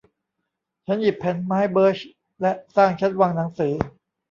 ฉันหยิบแผ่นไม้เบิร์ชและสร้างชั้นวางหนังสือ